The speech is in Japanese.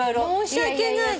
申し訳ない。